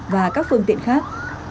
và các phương tiện khác